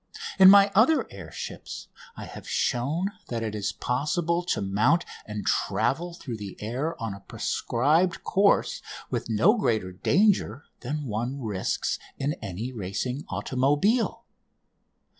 In my other air ships I have shown that it is possible to mount and travel through the air on a prescribed course with no greater danger than one risks in any racing automobile.